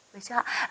đấy chứ ạ